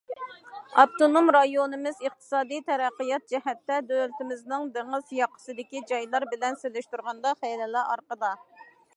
ئاپتونوم رايونىمىز ئىقتىسادىي تەرەققىيات جەھەتتە دۆلىتىمىزنىڭ دېڭىز ياقىسىدىكى جايلار بىلەن سېلىشتۇرغاندا خېلىلا ئارقىدا.